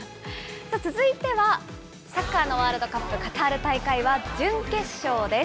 続いてはサッカーのワールドカップカタール大会は準決勝です。